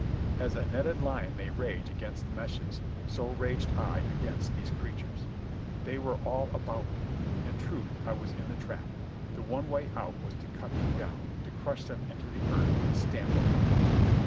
As a netted lion may rage against the meshes, so raged I against these creatures. They were all about me. In truth, I was in the trap. The one way out was to cut them down, to crush them into the earth and stamp upon them.